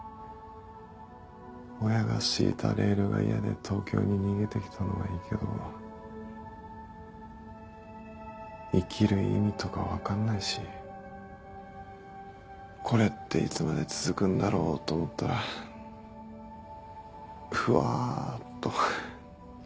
親が敷いたレールが嫌で東京に逃げてきたのはいいけど生きる意味とか分かんないしこれっていつまで続くんだろうと思ったらふわっと。